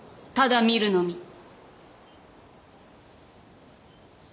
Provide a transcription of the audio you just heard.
ただ見るのみ。